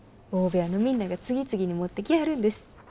大部屋のみんなが次々に持ってきはるんです。